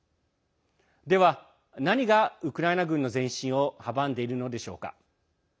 では、何がウクライナ軍の前進を阻んでいるのでしょうか。